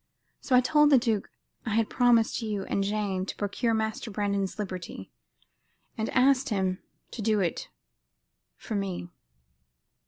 "So I told the duke I had promised you and Jane to procure Master Brandon's liberty, and asked him to do it for me.